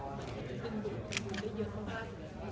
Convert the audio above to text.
มันเป็นดูนได้เยอะข้างบ้าง